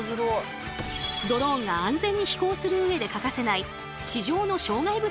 ドローンが安全に飛行する上で欠かせない地上の障害物